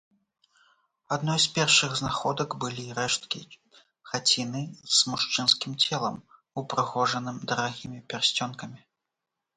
Адной з першых знаходак былі рэшткі хаціны з мужчынскім целам, упрыгожаным дарагімі пярсцёнкамі.